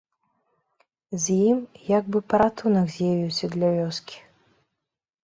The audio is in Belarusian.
З ім як бы паратунак з'явіўся для вёскі.